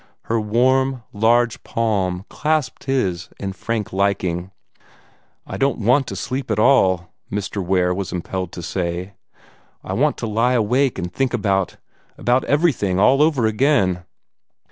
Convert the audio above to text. Her warm, large palm clasped his in frank liking. "I don't want to sleep at all," Mr. Ware was impelled to say. "I want to lie awake and think about about everything all over again."